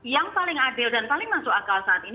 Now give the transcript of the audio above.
yang paling adil dan paling masuk akal saat ini